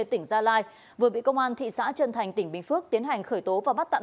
tỉnh gia lai vừa bị công an thị xã trân thành tỉnh bình phước tiến hành khởi tố và bắt tạm